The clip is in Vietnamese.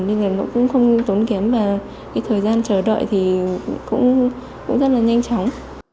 nên là nó cũng không tốn kém và cái thời gian chờ đợi thì cũng rất là nhanh chóng